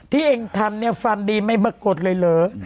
ที่เอ็งทำเนี่ยความดีไม่มากดเลยเหรอ